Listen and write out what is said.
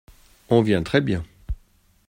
On vient très bien !